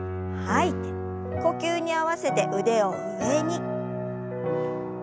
呼吸に合わせて腕を上に。